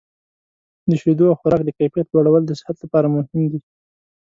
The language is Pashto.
د شیدو او خوراک د کیفیت لوړول د صحت لپاره مهم دي.